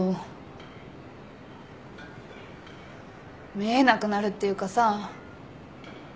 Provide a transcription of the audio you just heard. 見えなくなるっていうかさ